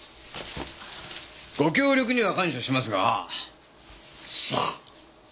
ご協力には感謝しますがさあ。